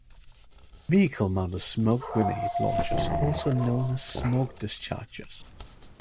Vehicle-mounted smoke grenade launchers are also known as "smoke dischargers".